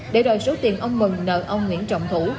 để rồi số tiền ông mừng nợ ông nguyễn trọng thủ